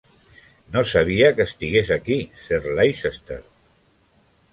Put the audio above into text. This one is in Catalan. No sabia que estigués aquí, Sir Leicester.